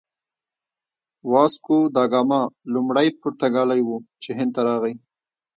واسکوداګاما لومړی پرتګالی و چې هند ته راغی.